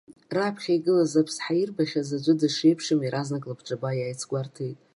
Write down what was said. Раԥхьа игылаз аԥсҳа ирбахьаз аӡәы дышиеиԥшым иаразнак лабҿаба иааицгәарҭеит.